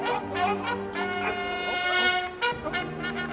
อัศวินธรรมชาติ